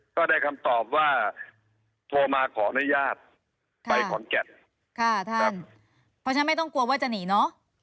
ก็ได้คำตอบว่าโทรมาขออนุญาตไปขอนแก่นค่ะท่านเพราะฉะนั้นไม่ต้องกลัวว่าจะหนีเนอะ